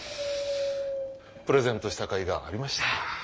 プレゼントしたかいがありました。